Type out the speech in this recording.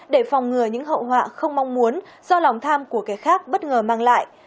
do lòng tham của kẻ khác bất ngờ mang lại